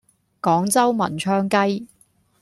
廣州文昌雞